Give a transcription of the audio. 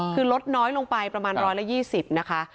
คือลดน้อยลงไปประมาณ๑๒๐นะคะ